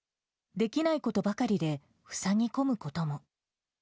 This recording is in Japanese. できないことばかりで、ふさぎこむことも。